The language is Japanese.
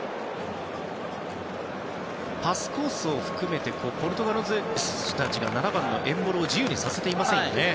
パスコースを含めてポルトガルの選手たちが７番のエンボロを自由にさせていませんよね。